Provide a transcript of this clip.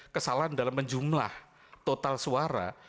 kesalahan dalam menjumlah total suara